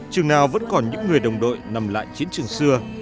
chừng nào vẫn còn những người đồng đội nằm lại chiến trường xưa